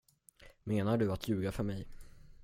Menar du att ljuga för mig?